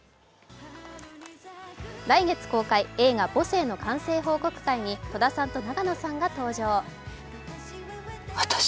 来月公開、映画「母性」の完成報告会に戸田さんと永野さんが登場。